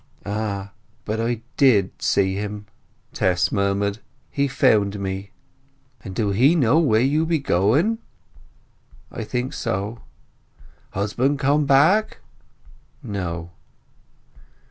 "Ah—but I did see him!" Tess murmured. "He found me." "And do he know where you be going?" "I think so." "Husband come back?" "No."